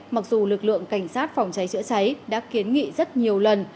mặc dù lực lượng cảnh sát phòng cháy chữa cháy đã kiến nghị rất nhiều lần